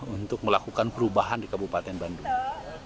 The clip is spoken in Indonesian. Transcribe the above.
untuk melakukan perubahan di kabupaten bandung